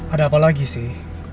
ada apa lagi sih